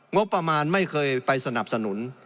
งบประมาณไม่เคยไปสนับสนุน